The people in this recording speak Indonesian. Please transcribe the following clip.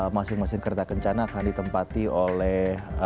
masing masing kereta kencana akan ditempati oleh